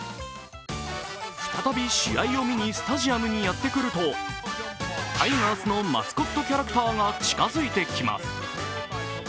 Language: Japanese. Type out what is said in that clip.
再び試合を見にスタジアムにやってくると、タイガースのマスコットキャラクターが近づいてきます。